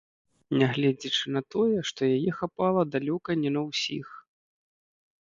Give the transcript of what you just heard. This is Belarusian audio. Нягледзячы на тое, што яе хапала далёка не на ўсіх.